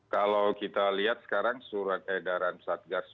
kalau kita lihat sekarang surat edaran satgas